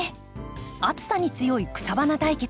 暑さに強い草花対決